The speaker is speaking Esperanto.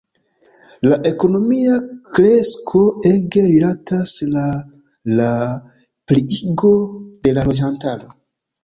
La ekonomia kresko ege rilatas la la pliigo de la loĝantaro.